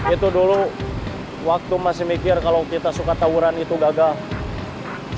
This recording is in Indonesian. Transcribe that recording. itu dulu waktu masih mikir kalau kita suka tawuran itu gagal